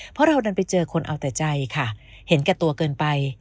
เพราะเราดันไปเจอคนเอาแต่ใจค่ะเห็นแก่ตัวเกินไป